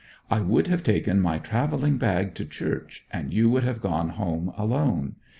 I would have taken my travelling bag to church, and you would have gone home alone.